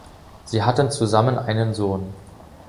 Sie hatten zusammen einen Sohn.